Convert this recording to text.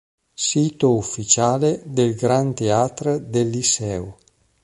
Sito ufficiale del Gran Teatre del Liceu